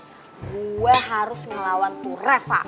gue harus ngelawan tuh reva